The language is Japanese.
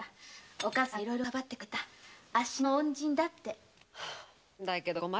おかつさんがいつもかばってくれたあっしの恩人だって。